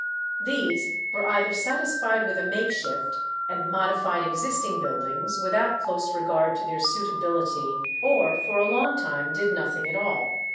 These were either satisfied with a makeshift, and modified existing buildings, without close regard to their suitability, or for a long time did nothing at all.